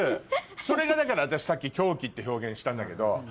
それがだから私さっき狂気って表現したんだけど。